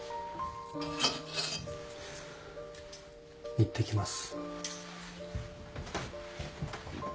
いってきます。